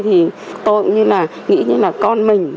tôi nghĩ như là con mình